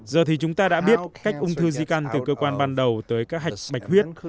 giờ thì chúng ta đã biết cách ung thư di căn từ cơ quan ban đầu tới các hạch bạch huyết